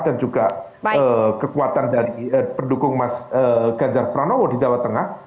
dan juga kekuatan dari pendukung mas ganjar pranowo di jawa tengah